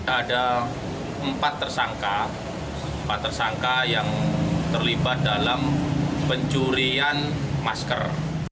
ada empat tersangka empat tersangka yang terlibat dalam pencurian masker